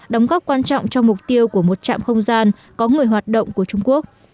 đóng góp quan trọng cho mục tiêu của trung quốc